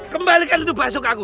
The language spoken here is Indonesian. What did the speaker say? kembalikan itu bakso ke aku